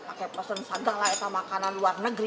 pakai pesen sadang lah itu makanan luar negeri